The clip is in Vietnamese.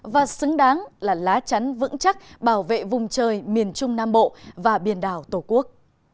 và xứng đáng là lá chắn vững chắc bảo vệ vùng trời miền trung nam bộ và biển đảo tổ quốc